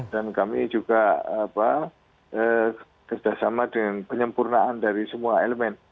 dan kami juga kerjasama dengan penyempurnaan dari semua elemen